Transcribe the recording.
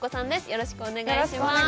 よろしくお願いします。